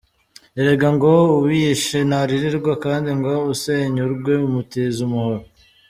Erega ngo « Uwiyishe ntaririrwa » ,kandi ngo « Usenya urwe umutiza umuhoro ».